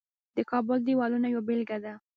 د کابل دیوالونه یوه بیلګه ده